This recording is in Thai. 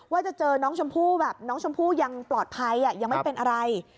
ว่าจะเจอน้องชมพู่แบบน้องชมพู่ยังปลอดภัยยังไม่เป็นอะไร